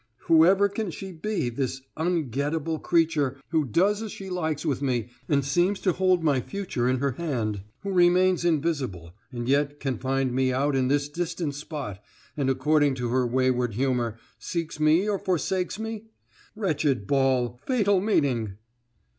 Who ever can she be, this unget at able creature who does as she likes with me and seems to hold my future in her hand, who remains invisible, and yet can find me out in this distant spot, and, according to her wayward humor, seeks me or forsakes me? Wretched ball! Fatal meeting!"